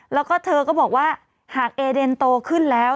แล้วก็เธอก็บอกว่าหากเอเดนโตขึ้นแล้ว